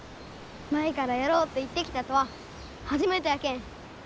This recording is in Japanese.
舞からやろうって言ってきたとは初めてやけん。